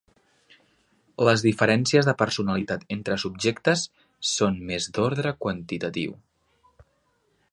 Les diferències de personalitat entre subjectes són més d'ordre quantitatiu.